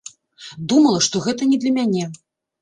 Думала, што гэта не для мяне.